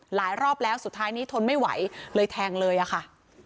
รอบแล้วสุดท้ายนี้ทนไม่ไหวเลยแทงเลยอะค่ะ